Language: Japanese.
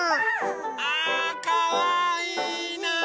あかわいいなあ！